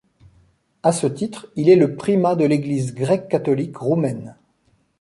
À ce titre, il est le primat de l'Église grecque-catholique roumaine.